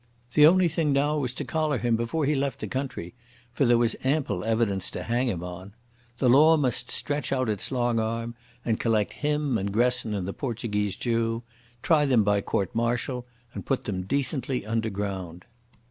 The only thing now was to collar him before he left the country, for there was ample evidence to hang him on. The law must stretch out its long arm and collect him and Gresson and the Portuguese Jew, try them by court martial, and put them decently underground.